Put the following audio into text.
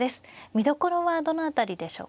見どころはどの辺りでしょうか。